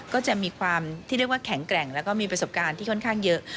ก็จะมีความที่เรียกว่าแข็งแกร่งแล้วก็มีประสบการณ์ที่ค่อนข้างเยอะ